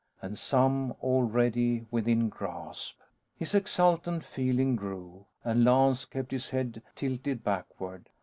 And some already within grasp! His exultant feeling grew, and Lance kept his head tilted backward.